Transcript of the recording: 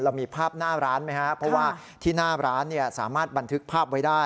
มีภาพหน้าร้านไหมครับเพราะว่าที่หน้าร้านเนี่ยสามารถบันทึกภาพไว้ได้